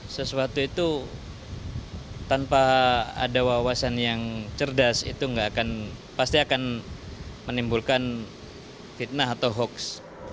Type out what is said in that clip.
sesuatu itu tanpa ada wawasan yang cerdas itu pasti akan menimbulkan fitnah atau hoax